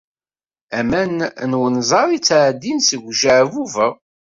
Aman n wenẓar ttɛeddin seg ujeɛbub-a.